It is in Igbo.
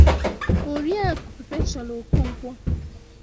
Oriakụ Perpetual Okonkwo